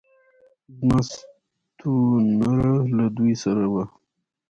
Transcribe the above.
زما ستونره له دوی سره وه